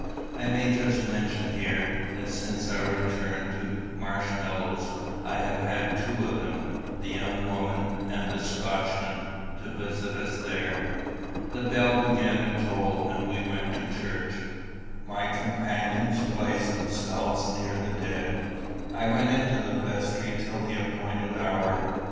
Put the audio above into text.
I may just mention here, that since our return to Marshmallows I have had two of them, the young woman and the Scotchman, to visit us there. The bell began to toll, and we went to church. My companions placed themselves near the dead. I went into the vestry till the appointed hour.